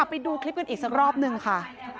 ไปดูคลิปกันอีกสักรอบนึงค่ะ